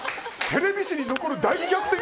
テレビ史に残る大逆転。